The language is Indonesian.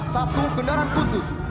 satu gendaran khusus